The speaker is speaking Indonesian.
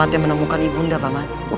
paman teh menemukan ibunda paman